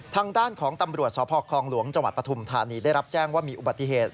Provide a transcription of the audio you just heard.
ทางด้านของตำรวจสพคลองหลวงจังหวัดปฐุมธานีได้รับแจ้งว่ามีอุบัติเหตุ